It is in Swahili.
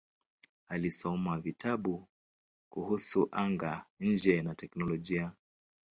Alisoma vitabu kuhusu anga-nje na teknolojia.